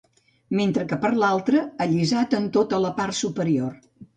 Mentre que per l’altra, allisat en tota la part superior.